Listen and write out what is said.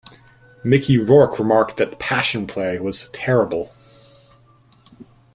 Mickey Rourke remarked that "Passion Play" was "terrible.